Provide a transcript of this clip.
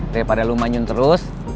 daripada lu manyun terus